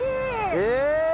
え！